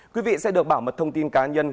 quý vị sẽ được bảo mật thông tin cá nhân